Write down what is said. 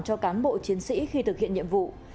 cho cán bộ chiến sĩ khi thực hiện nhiệm vụ